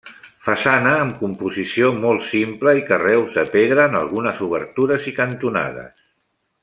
Façana amb composició molt simple i carreus de pedra en algunes obertures i cantonades.